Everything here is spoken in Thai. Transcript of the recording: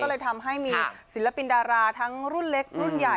ก็เลยทำให้มีศิลปินดาราทั้งรุ่นเล็กรุ่นใหญ่